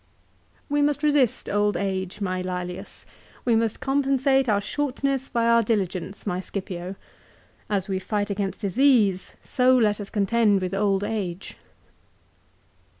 2 " We must resist old age, my Laslius. We must compensate our shortness by our diligence, my Scipio. As we fight against disease, so let us contend with old age."